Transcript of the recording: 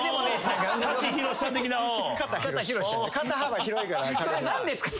それ何ですか？